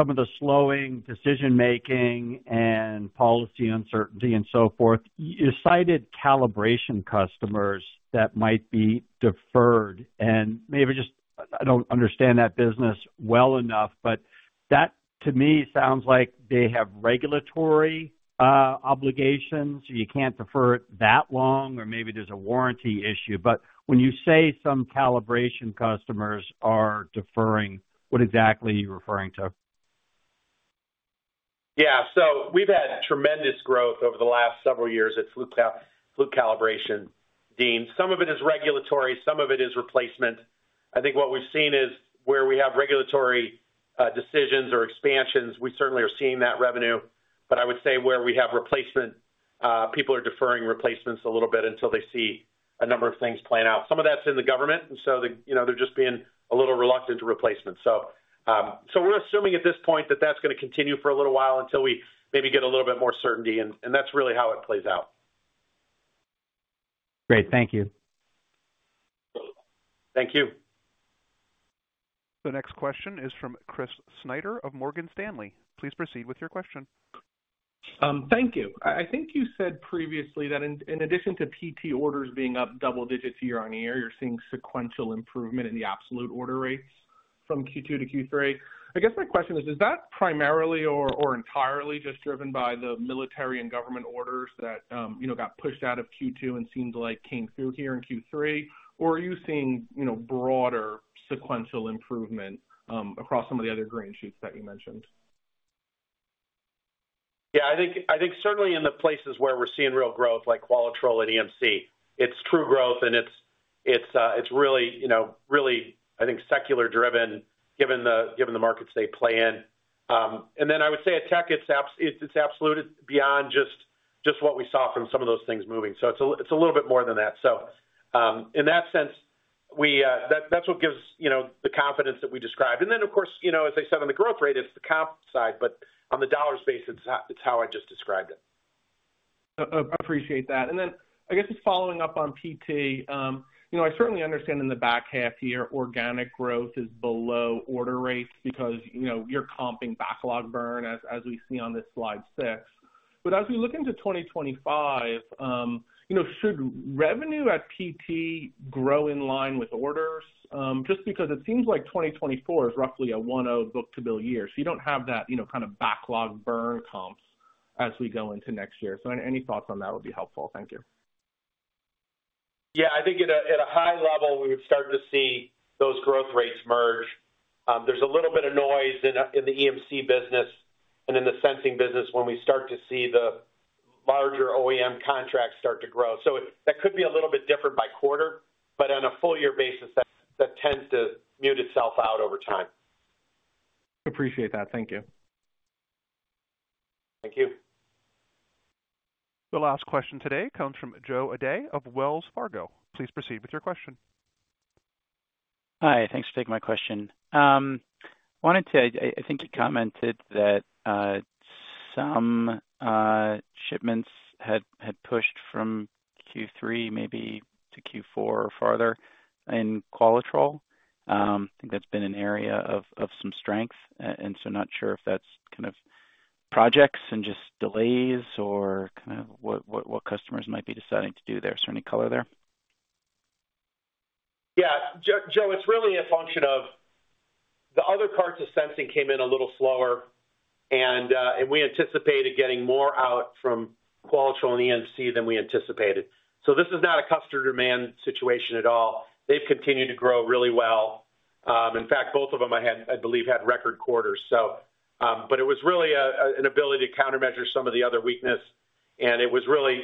of the slowing decision-making and policy uncertainty and so forth, you cited calibration customers that might be deferred. And maybe just I don't understand that business well enough, but that to me sounds like they have regulatory obligations. You can't defer it that long, or maybe there's a warranty issue. But when you say some calibration customers are deferring, what exactly are you referring to? Yeah. So we've had tremendous growth over the last several years at Fluke Calibration, Deane. Some of it is regulatory. Some of it is replacement. I think what we've seen is where we have regulatory decisions or expansions, we certainly are seeing that revenue. But I would say where we have replacement, people are deferring replacements a little bit until they see a number of things playing out. Some of that's in the government, and so they're just being a little reluctant to replacement. So we're assuming at this point that that's going to continue for a little while until we maybe get a little bit more certainty. And that's really how it plays out. Great. Thank you. Thank you. The next question is from Chris Snyder of Morgan Stanley. Please proceed with your question. Thank you. I think you said previously that in addition to PT orders being up double digits year on year, you're seeing sequential improvement in the absolute order rates from Q2 to Q3. I guess my question is, is that primarily or entirely just driven by the military and government orders that got pushed out of Q2 and seemed like came through here in Q3? Or are you seeing broader sequential improvement across some of the other green shoots that you mentioned? Yeah, I think certainly in the places where we're seeing real growth like Qualitrol and EMC, it's true growth, and it's really, I think, secular-driven given the markets they play in. And then I would say at tech, it's absolutely beyond just what we saw from some of those things moving. So it's a little bit more than that. So in that sense, that's what gives the confidence that we described. And then, of course, as I said, on the growth rate, it's the comp side, but on the dollars base, it's how I just described it. I appreciate that. And then I guess just following up on PT, I certainly understand in the back half here, organic growth is below order rates because you're comping backlog burn as we see on this slide six. But as we look into 2025, should revenue at PT grow in line with orders? Just because it seems like 2024 is roughly a one-oh book-to-bill year. So you don't have that kind of backlog burn comps as we go into next year. So any thoughts on that would be helpful. Thank you. Yeah, I think at a high level, we would start to see those growth rates merge. There's a little bit of noise in the EMC business and in the sensing business when we start to see the larger OEM contracts start to grow, so that could be a little bit different by quarter, but on a full-year basis, that tends to mute itself out over time. Appreciate that. Thank you. Thank you. The last question today comes from Joe O'Dea of Wells Fargo. Please proceed with your question. Hi. Thanks for taking my question. I wanted to, I think you commented that some shipments had pushed from Q3 maybe to Q4 or farther in Qualitrol. I think that's been an area of some strength. And so not sure if that's kind of projects and just delays or kind of what customers might be deciding to do there. Is there any color there? Yeah. Joe, it's really a function of the other parts of sensing came in a little slower, and we anticipated getting more out from Qualitrol and EMC than we anticipated. So this is not a customer demand situation at all. They've continued to grow really well. In fact, both of them, I believe, had record quarters. But it was really an ability to countermeasure some of the other weakness. And it was really,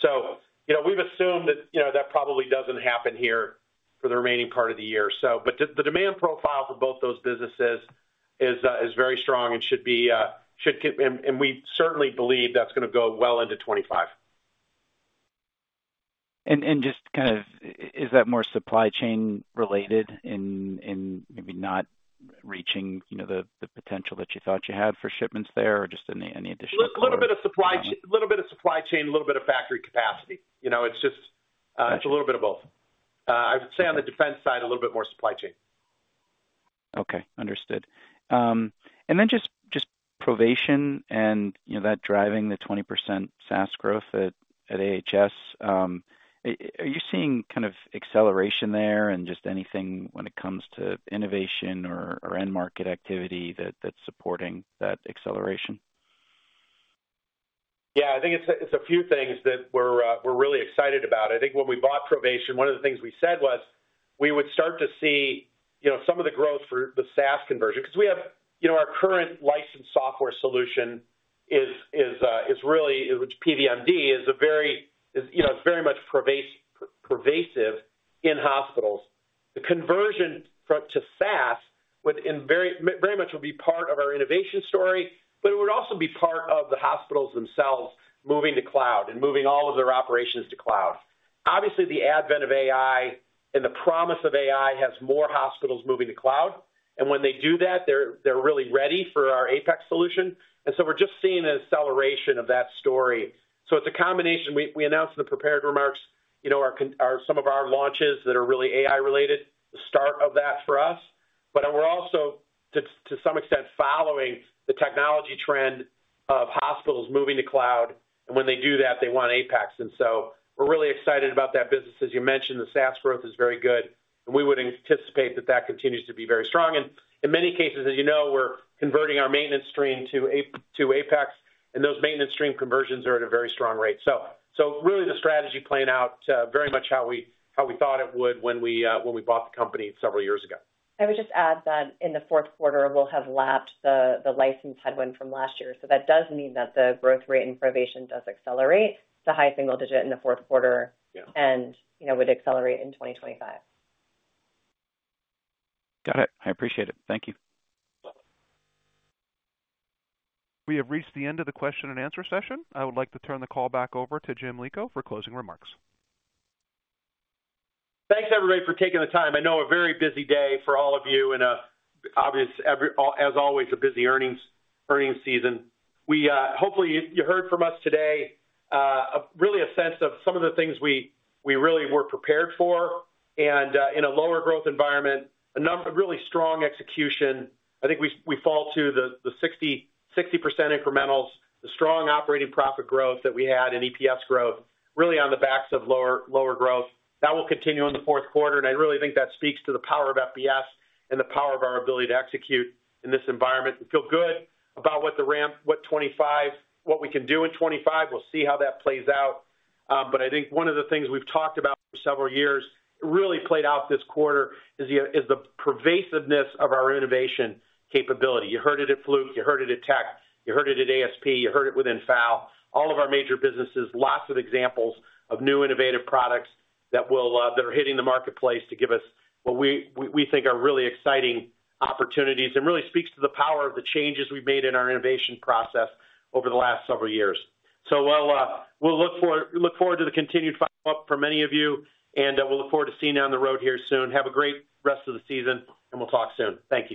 so we've assumed that that probably doesn't happen here for the remaining part of the year. But the demand profile for both those businesses is very strong and should be, and we certainly believe that's going to go well into 2025. Just kind of, is that more supply chain related and maybe not reaching the potential that you thought you had for shipments there or just any additional? A little bit of supply chain, a little bit of factory capacity. It's just a little bit of both. I would say on the defense side, a little bit more supply chain. Okay. Understood, and then just Provation and that driving the 20% SaaS growth at AHS. Are you seeing kind of acceleration there and just anything when it comes to innovation or end market activity that's supporting that acceleration? Yeah. I think it's a few things that we're really excited about. I think when we bought Provation, one of the things we said was we would start to see some of the growth for the SaaS conversion because we have our current licensed software solution is really PVMD is a very it's very much pervasive in hospitals. The conversion to SaaS would very much be part of our innovation story, but it would also be part of the hospitals themselves moving to cloud and moving all of their operations to cloud. Obviously, the advent of AI and the promise of AI has more hospitals moving to cloud, and when they do that, they're really ready for our APEX solution, so we're just seeing an acceleration of that story. It's a combination. We announced in the prepared remarks some of our launches that are really AI-related, the start of that for us. But we're also, to some extent, following the technology trend of hospitals moving to cloud. And when they do that, they want APEX. And so we're really excited about that business. As you mentioned, the SaaS growth is very good. And we would anticipate that that continues to be very strong. And in many cases, as you know, we're converting our maintenance stream to APEX. And those maintenance stream conversions are at a very strong rate. So really the strategy playing out very much how we thought it would when we bought the company several years ago. I would just add that in the fourth quarter, we'll have lapped the license headwind from last year. So that does mean that the growth rate in Provation does accelerate. It's a high single digit in the fourth quarter and would accelerate in 2025. Got it. I appreciate it. Thank you. We have reached the end of the question and answer session. I would like to turn the call back over to Jim Lico for closing remarks. Thanks, everybody, for taking the time. I know a very busy day for all of you and, as always, a busy earnings season. Hopefully, you heard from us today really a sense of some of the things we really were prepared for. And in a lower growth environment, a really strong execution. I think we fall to the 60% incrementals, the strong operating profit growth that we had in EPS growth, really on the backs of lower growth. That will continue in the fourth quarter. And I really think that speaks to the power of FBS and the power of our ability to execute in this environment. We feel good about what 2025, what we can do in 2025. We'll see how that plays out. But I think one of the things we've talked about for several years, it really played out this quarter, is the pervasiveness of our innovation capability. You heard it at Fluke. You heard it at Tech. You heard it at ASP. You heard it within FAL. All of our major businesses, lots of examples of new innovative products that are hitting the marketplace to give us what we think are really exciting opportunities and really speaks to the power of the changes we've made in our innovation process over the last several years. So we'll look forward to the continued follow-up from any of you. And we'll look forward to seeing you on the road here soon. Have a great rest of the season, and we'll talk soon. Thank you.